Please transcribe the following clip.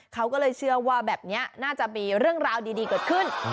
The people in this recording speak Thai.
เขาก็เลยเชื่อว่าแบบนี้น่าจะมีเรื่องราวดีเกิดขึ้น